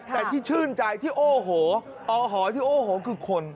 แต่ที่ชื่นใจที่โอ้โหอหอที่โอ้โหคือคน